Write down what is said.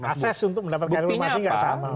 ases untuk mendapatkan informasi tidak sama